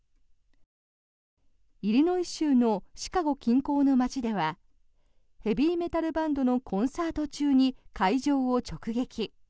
イリノイ州のシカゴ近郊の街ではヘヴィーメタルバンドのコンサート中に会場を直撃。